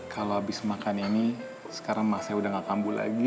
kalau habis makan ini sekarang masanya udah gak kambul lagi